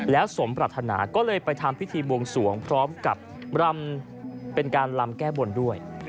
แล้วสมปรัฐนาก็เลยไปทำพิธีบวงสวงพร้อมกับรำเป็นการลำแก้บนด้วย